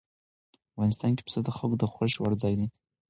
افغانستان کې پسه د خلکو د خوښې وړ ځای دی.